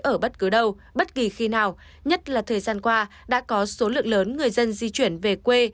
ở bất cứ đâu bất kỳ khi nào nhất là thời gian qua đã có số lượng lớn người dân di chuyển về quê